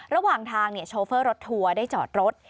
ระหว่างทางโชเฟอร์รถทัวร์ได้จอดรถ